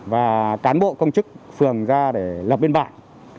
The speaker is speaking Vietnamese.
và cán bộ công chức phường ra để lập biên bản